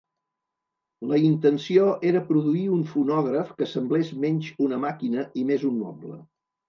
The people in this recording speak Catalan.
La intenció era produir un fonògraf que semblés menys una màquina i més un moble.